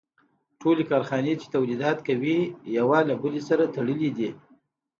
ټولې کارخانې چې تولیدات کوي یو له بل سره تړلي دي